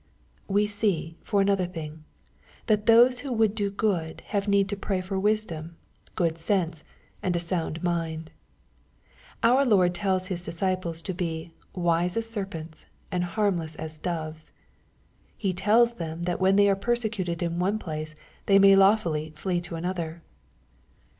We see, for another thing, thai those who would do good have need to pray for toisdom, good sensey and a sound mind. Our Lord tells his disciples to be " wise as serpents, and harmless as doves." He tells them that when they are persecuted in one place, they may law fully " flee to another."